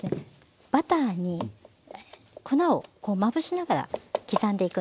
バターに粉をまぶしながら刻んでいくんですね。